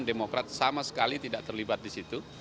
demokrat sama sekali tidak terlibat di situ